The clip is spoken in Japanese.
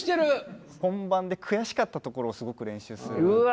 本番で悔しかったところをすごく練習するということが。